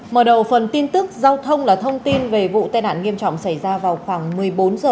mở đầu phần tin tức giao thông là thông tin về vụ tai nạn nghiêm trọng xảy ra vào khoảng một mươi bốn h